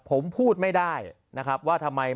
ผมพูดไม่ได้นะครับว่าทำไม